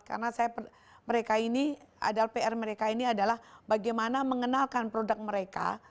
karena pr mereka ini adalah bagaimana mengenalkan produk mereka